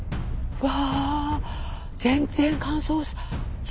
うわ。